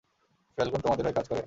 Falcone তোমাদের হয়ে কাজ করে?